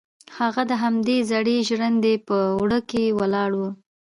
هغه د همدې زړې ژرندې په وره کې ولاړه وه.